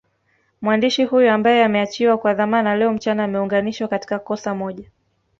Mwandishi huyo ambaye ameachiwa kwa dhamana leo mchana ameungwanishwa katika kosa moj